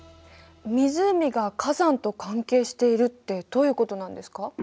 湖が火山と関係しているってどういうことなんですか？